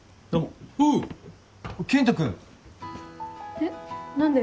えっ？何で？